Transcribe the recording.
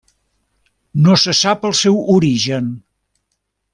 No se sap el seu origen.